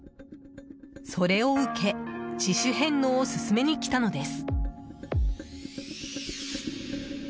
それを受け、自主返納を勧めにきたのです。